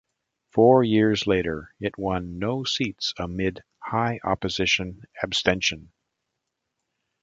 Four years later, it won no seats amid high opposition abstention.